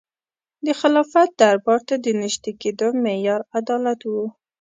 د خلافت دربار ته د نژدې کېدو معیار عدالت و.